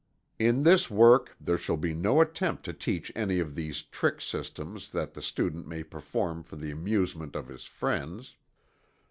In this work, there shall be no attempt to teach any of these "trick systems" that the student may perform for the amusement of his friends.